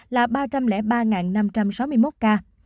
là ba trăm linh ba năm trăm sáu mươi một ca